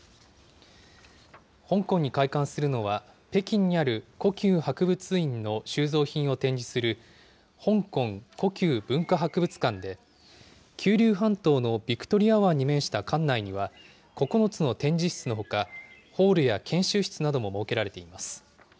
香港に開館するのは、北京にある故宮博物院の収蔵品を展示する、香港故宮文化博物館で、九龍半島のビクトリア湾に面した館内には、９つの展示室のほか、ホールや研修室なども設けられています。